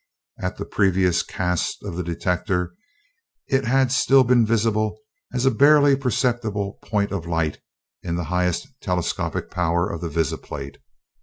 At the previous cast of the detector it had still been visible as a barely perceptible point of light in the highest telescopic power of the visiplate.